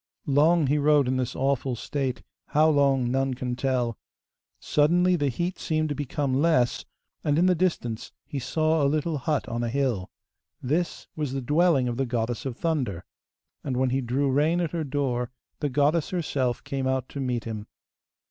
Long he rode in this awful state, how long none can tell. Suddenly the heat seemed to become less, and, in the distance, he saw a little hut on a hill. This was the dwelling of the Goddess of Thunder, and when he drew rein at her door the goddess herself came out to meet him.